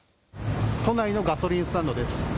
都内のガソリンスタンドです。